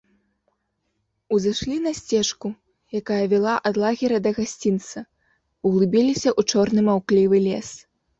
Узышлі на сцежку, якая вяла ад лагера да гасцінца, углыбіліся ў чорны маўклівы лес.